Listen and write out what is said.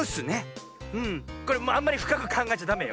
これあんまりふかくかんがえちゃダメよ。